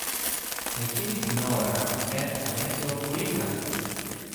Εκείνη την ώρα έφθανε και ο Πολύκαρπος.